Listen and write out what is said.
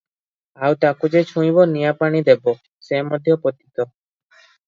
ଆଉ ତାକୁ ଯେ ଛୁଇଁବ, ନିଆଁ ପାଣି ଦେବ, ସେ ମଧ୍ୟ ପତିତ ।